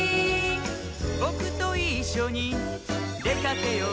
「ぼくといっしょにでかけよう」